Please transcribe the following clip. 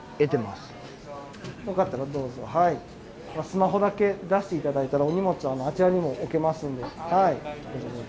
スマホだけ出して頂いたらお荷物はあちらにも置けますんで。